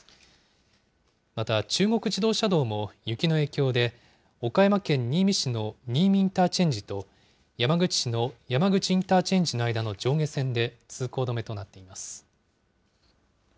また中国自動車道も雪の影響で、岡山県新見市の新見インターチェンジと、山口市の山口インターチェンジの間の上下線で通行止めとなっています。